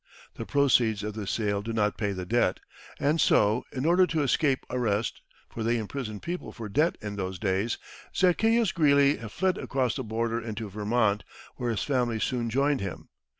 The proceeds of the sale did not pay the debt, and so, in order to escape arrest, for they imprisoned people for debt in those days, Zaccheus Greeley fled across the border into Vermont, where his family soon joined him.